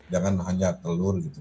jangan hanya telur gitu